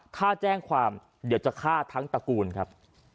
ถ้าแจ้งความเดี๋ยวจะฆ่าทั้งตระกูลครับ